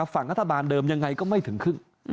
ฝั่งรัฐบาลเดิมยังไงก็ไม่ถึงครึ่ง